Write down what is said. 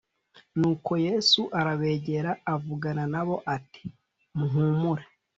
Nuko Yesu arabegera avugana na bo ati muhumure